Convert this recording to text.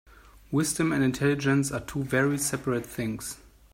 Wisdom and intelligence are two very seperate things.